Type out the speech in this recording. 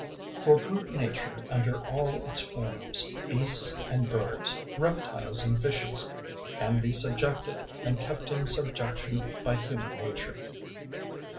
003:007 For brute nature under all its forms beasts and birds, reptiles and fishes can be subjected and kept in subjection by human nature.